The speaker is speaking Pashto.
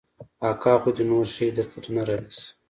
اکا خو دې نور شى درته نه رانيسي.